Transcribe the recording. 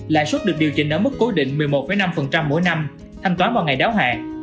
lãi suất được điều chỉnh ở mức cố định một mươi một năm mỗi năm thanh toán vào ngày đáo hạn